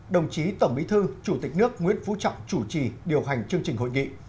đồng chí tổng bí thư chủ tịch nước nguyễn phú trọng chủ trì điều hành chương trình hội nghị